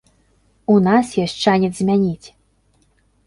У нас ёсць шанец змяніць.